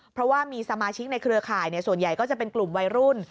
เพราะว่ามีสมาชิกในเครือข่ายส่วนใหญ่ก็จะเป็นกลุ่มวัยรุ่น